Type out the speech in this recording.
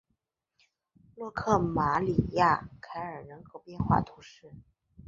洛克马里亚凯尔人口变化图示